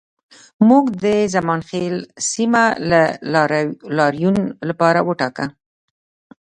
موږ د زمانخیل سیمه د لاریون لپاره وټاکه